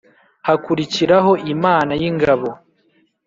hakurikiraho ‘imana y’ingabo